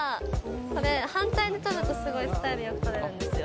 これ反対に撮るとすごいスタイルよく撮れるんですよ。